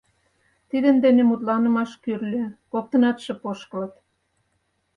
Тидын дене мутланымаш кӱрльӧ, коктынат шып ошкылыт.